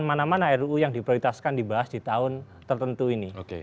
mana mana ruu yang diprioritaskan dibahas di tahun tertentu ini